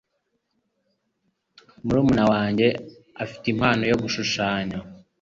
Murumuna wanjye afite impano yo gushushanya.